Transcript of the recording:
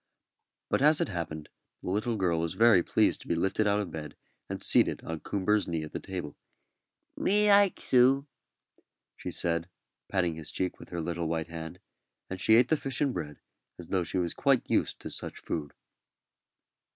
But as it happened the little girl was very pleased to be lifted out of bed and seated on Coomber's knee at the table. "Me likes 'ou," she said, patting his cheek with her little white hand; and she ate the fish and bread as though she was quite used to such food.